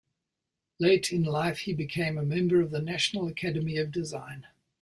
Late in life, he became a member of the National Academy of Design.